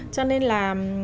cho nên là